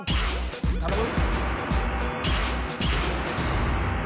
頼む！